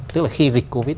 tức là khi dịch covid